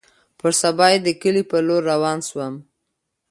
پر سبا يې د کلي په لور روان سوم.